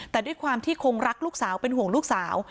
แต่ด้วยความที่คงรักลูกสาวเป็นห่วงลูกสาว